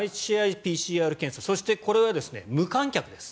ＰＣＲ検査そしてこれは無観客です。